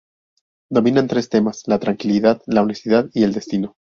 Dominan tres temas: la tranquilidad, la honestidad y el destino.